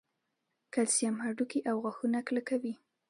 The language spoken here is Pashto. کلسیم هډوکي او غاښونه کلکوي